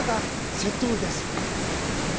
セットオールです。